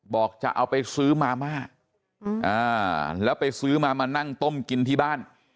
บอกจะเอาไปซื้อมาม่าแล้วไปซื้อมามานั่งต้มกินที่บ้าน